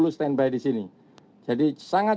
sepuluh standby di sini jadi sangat